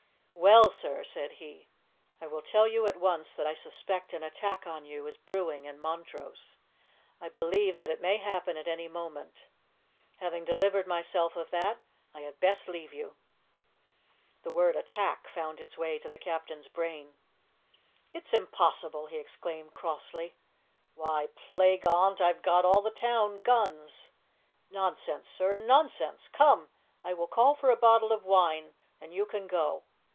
"Well, sir," said he, "I will tell you at once that I suspect an attack on you is brewing in Montrose. I believe that it may happen at any moment. Having delivered myself of that, I had best leave you." The word "attack" found its way to the captain's brain. "It's impossible!" he exclaimed crossly. "Why, plague on't, I've got all the town guns! Nonsense, sir no'sense! Come, I will call for a bottle of wine, 'n you can go.